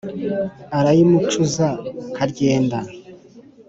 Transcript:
arayimucuza karyenda.